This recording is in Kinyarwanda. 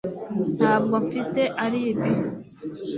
ntabwo mfite alibi